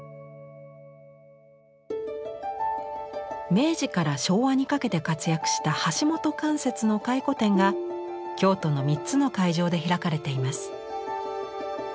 明治から昭和にかけて活躍した橋本関雪の回顧展が京都の３つの会場で開かれています。